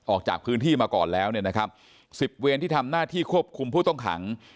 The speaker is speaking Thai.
ออกจากพื้นที่มาก่อนแล้วเนี่ยนะครับสิบเวรที่ทำหน้าที่ควบคุมผู้ต้องขัง